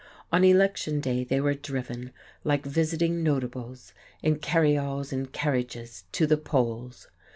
On election day they were driven, like visiting notables, in carryalls and carriages to the polls!